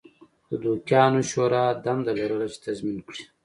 د دوکیانو شورا دنده لرله چې تضمین کړي